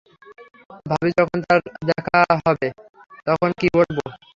ভাবি যখন তার দেখা হবে, তখন কী বলবো?